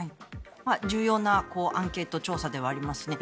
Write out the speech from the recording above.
重要なアンケート調査ではありますね。